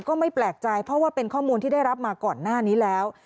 ก็ไม่แปลกใจเพราะว่าเป็นข้อมูลที่ได้รับมาก่อนหน้านี้แล้ว